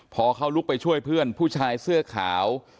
พอเขาลุกไปช่วยเพื่อนผู้ชายเสื้อขาว